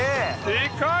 でかい！